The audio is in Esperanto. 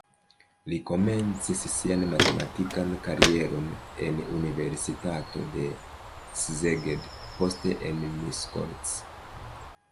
Li komencis sian matematikan karieron en universitato de Szeged, poste en Miskolc.